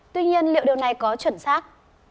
tuy nhiên liệu điều này có chuẩn xác